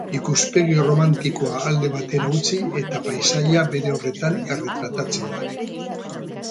Ikuspegi erromantikoa alde batera utzi eta paisaia bere horretan erretratatzen da.